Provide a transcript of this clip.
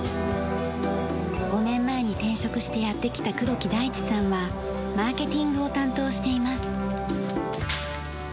５年前に転職してやってきた黒木大地さんはマーケティングを担当しています。